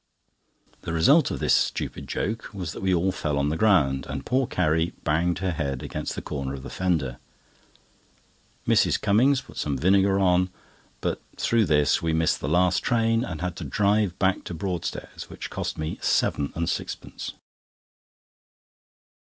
The result of this stupid joke was that we all fell on the ground, and poor Carrie banged her head against the corner of the fender. Mrs. Cummings put some vinegar on; but through this we missed the last train, and had to drive back to Broadstairs, which cost me seven and sixpence.